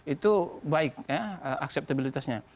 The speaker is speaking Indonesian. itu baik ya akseptabilitasnya